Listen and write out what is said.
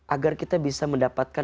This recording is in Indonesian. agar kita bisa mendapatkan